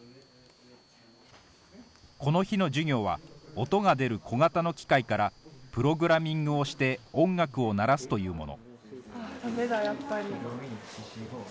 この日の授業は、音が出る小型の機械からプログラミングをして音楽を鳴らすというもの。